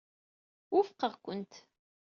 Wufqeɣ-kent.